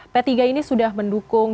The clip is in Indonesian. p tiga ini sudah mendukung